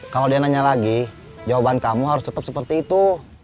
kalau dia nanya lagi jawaban kamu harus tetap seperti itu